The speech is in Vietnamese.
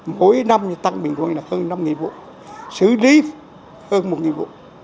mỗi năm tăng bình luận là hơn năm nghìn vụ xử lý hơn một nghìn vụ